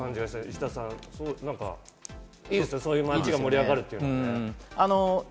石田さん、そういう町が盛り上がるっていいですね。